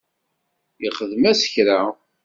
Ixdem-as kra?